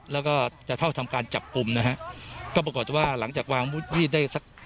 แล้วก็จะเข้าทำการจับกลุ่มนะฮะก็ปรากฏว่าหลังจากวางวุฒิมีดได้สัก